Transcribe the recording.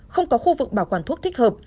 không có khu vực bảo quản thuốc thích hợp